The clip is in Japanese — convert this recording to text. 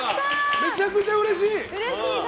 めちゃくちゃうれしい。